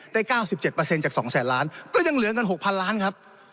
ได้๙๗จาก๒แสนล้านก็ยังเหลือกัน๖พันล้านครับ